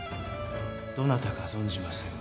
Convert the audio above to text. どなたか存じませんが